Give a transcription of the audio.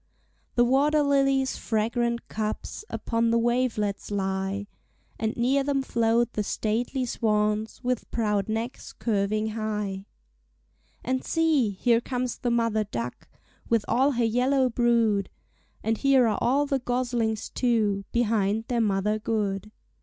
The water lilies' fragrant cups Upon the wavelets lie, And near them float the stately swans, With proud necks curving high. And see! here comes the mother duck With all her yellow brood; And here are all the goslings, too, Behind their mother good.